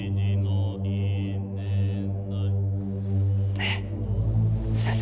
ねえ先生